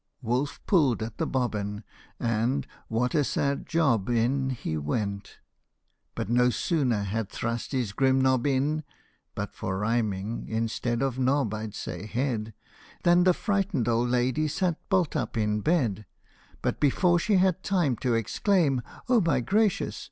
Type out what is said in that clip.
Wolf pulled at the bobbin, And what a sad job ! in He went ; but no sooner had thrust his grim knob in (But for rhyming, instead Of "knob" I'd say "head") Than the frightened old lady sat bolt up in bed : But before she had time to exclaim, " Oh my gracious